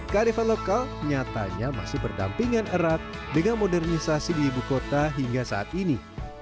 kearifan lokal nyatanya masih berdampingan erat dengan modernisasi di ibu kota hingga saat ini